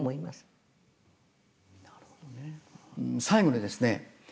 最後にですね